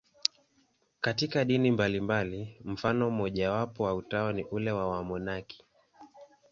Katika dini mbalimbali, mfano mmojawapo wa utawa ni ule wa wamonaki.